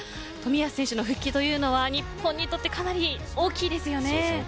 冨安選手の復帰というのは日本にとってかなり大きいですよね。